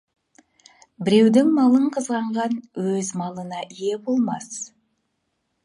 Біреудің малын қызғанған өз малына ие болмас.